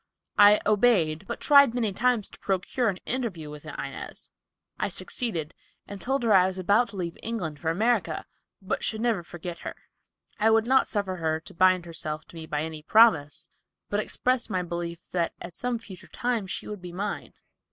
I obeyed, but tried many times to procure an interview with Inez. I succeeded, and told her I was about to leave England for America, but should never forget her. I would not suffer her to bind herself to me by any promise, but expressed my belief that at some future time she would be mine.